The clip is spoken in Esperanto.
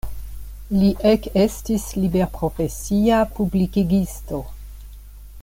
Li ekestis liberprofesia publikigisto.